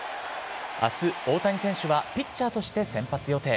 あす、大谷選手はピッチャーとして先発予定。